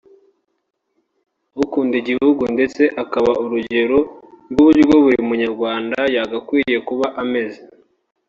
ukunda igihugu ndetse akaba n’urugero rw’uburyo buri munyarwandakazi yagakwiye kuba ameze